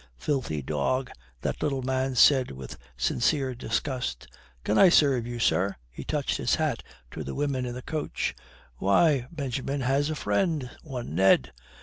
"Filthy dog," that little man said with sincere disgust. "Can I serve you, sir?" he touched his hat to the women in the coach. "Why, Benjamin has a friend, one Ned.